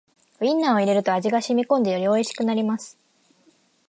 ウインナーを入れると味がしみこんでよりおいしくなります